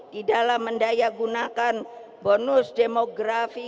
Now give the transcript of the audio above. di dalam mendaya gunakan bonus demografi